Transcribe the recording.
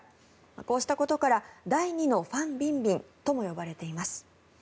こうしたことから第２のファン・ビンビンとも呼ばれています。